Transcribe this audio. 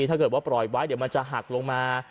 ถ้าเกิดว่าปล่อยไว้เดี๋ยวมันจะหักลงมา